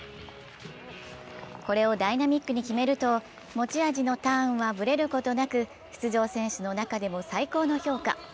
これをダイナミックに決めると、持ち味のターンはブレることなく、出場選手の中でも最高の評価。